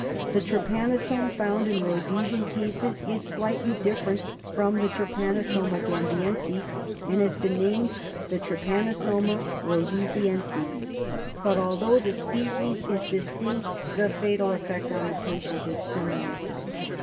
The trypanosome found in Ehodesian cases is slightly different from the Trypanosoma gamhiense, and has been named the Trypanosoma rhodesiense, but although the species is distinct, the fatal effect on the patient is similar.